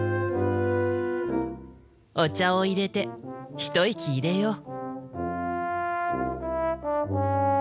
お茶をいれて一息入れよう。